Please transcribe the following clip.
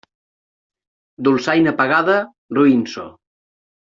Dolçaina pagada, roín so.